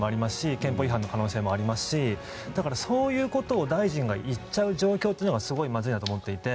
憲法違反の可能性もありますしそういうことを大臣が言っちゃう状況がすごいまずいなと思っていて。